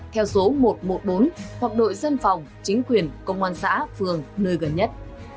theo số một trăm một mươi bốn hoặc đội dân phòng chính quyền công an xã phường nơi gần nhất